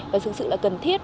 và thực sự là cần thiết